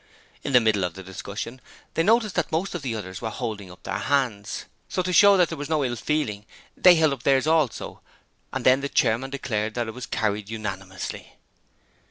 In the middle of the discussion, they noticed that most of the others were holding up their hands, so to show there was no ill feeling they held up theirs also and then the chairman declared it was carried unanimously.